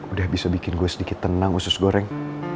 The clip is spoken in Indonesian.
udah bisa bikin gue sedikit tenang usus goreng